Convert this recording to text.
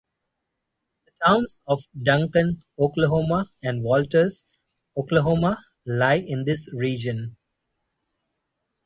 The towns of Duncan, Oklahoma and Walters, Oklahoma, lie in this region.